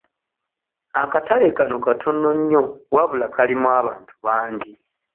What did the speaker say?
Akatale kano katono nnyo wabula kalimu abantu bangi.